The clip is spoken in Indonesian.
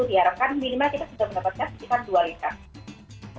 diharapkan minimal kita sudah mendapatkan sekitar dua liter